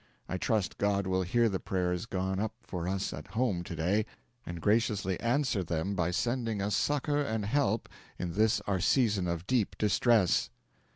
I trust God will hear the prayers gone up for us at home to day, and graciously answer them by sending us succour and help in this our season of deep distress.